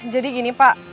jadi gini pak